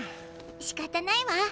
しかたないわ。